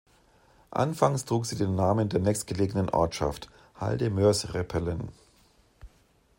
Anfangs trug sie den Namen der nächstgelegenen Ortschaft: "Halde Moers-Repelen".